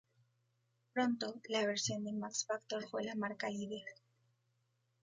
Pronto la versión de Max Factor fue la marca líder.